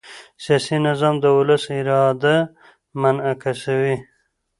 سیاسي نظام د ولس اراده منعکسوي